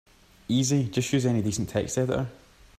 Easy, just use any decent text editor.